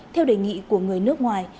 theo đề nghị của người nước ngoài